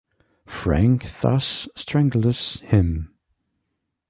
Frank thus strangles him.